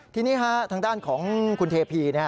ทีนี้ทางด้านของคุณเทพี